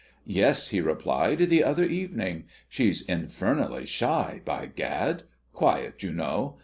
"Yes," he replied, "the other evening. She's infernally shy, by Gad! Quiet, you know.